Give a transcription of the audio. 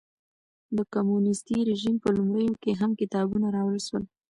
د کمونېستي رژیم په لومړیو کې هم کتابونه راوړل شول.